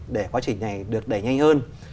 để quá trình này được đẩy nhanh hơn